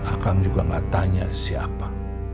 akang juga gak tanya siapa